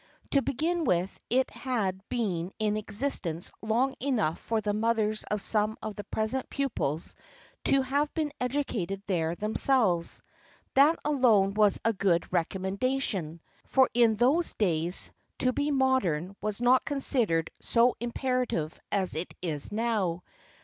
To begin with it had been in existence long enough for the mothers of some of the present pupils to have been educated there themselves. That alone was a good recommendation, for in those days to be modern was not considered so imperative as it is now.